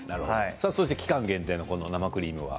さあ、そして期間限定のこの生クリームは？